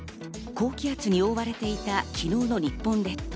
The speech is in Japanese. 高気圧に覆われていた昨日の日本列島。